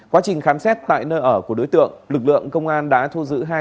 quá trình khám xét tại nơi ở của đối tượng lực lượng công an đã thu giữ hai giá